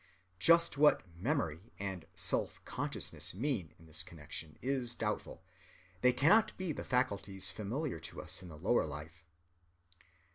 [Just what "memory" and "self‐consciousness" mean in this connection is doubtful. They cannot be the faculties familiar to us in the lower life.